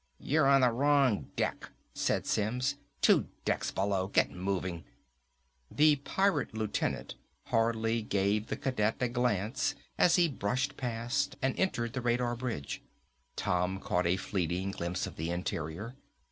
"You're on the wrong deck," said Simms. "Two decks below. Get moving!" The pirate lieutenant hardly gave the cadet a glance as he brushed past and entered the radar bridge. Tom caught a fleeting glimpse of the interior.